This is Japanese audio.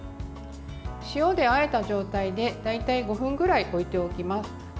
塩であえた状態で大体５分ぐらい置いておきます。